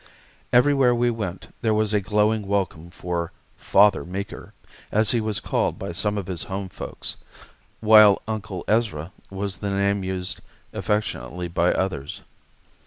Everywhere we went there was a glowing welcome for "Father Meeker," as he was called by some of his home folks, while "Uncle Ezra" was the name used affectionately by others.